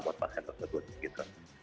buat pasien tersebut gitu